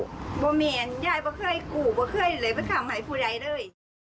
ย่ายเคยกู้ไม่เคยเลยไปข้ำไหว่ผู้ใดด้วย